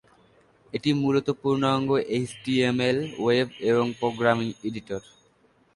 এটি মূলত পূর্ণাঙ্গ এইচটিএমএল ওয়েব এবং প্রোগ্রামিং এডিটর।